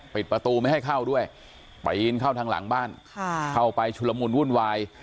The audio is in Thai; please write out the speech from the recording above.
ปิดประตูไม่ให้เข้าด้วยไปอินเข้าทางหลังบ้านเข้าไปชุลมุนวุ่นวาย